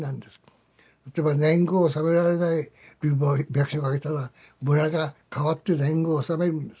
例えば年貢を納められない貧乏百姓がいたら村が代わって年貢を納めるんです。